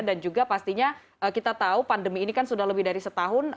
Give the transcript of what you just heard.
dan juga pastinya kita tahu pandemi ini kan sudah lebih dari setahun